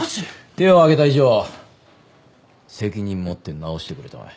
手を挙げた以上責任持って治してくれたまえ。